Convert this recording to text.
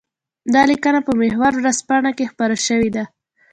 دا ليکنه په محور ورځپاڼه کې خپره شوې ده.